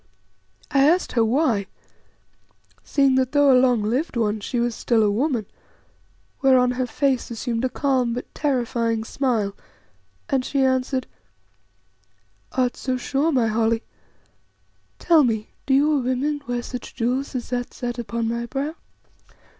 I asked her why, seeing that though a long lived one, she was still a woman, whereon her face assumed a calm but terrifying smile, and she answered "Art so sure, my Holly? Tell me, do your women wear such jewels as that set upon my brow?"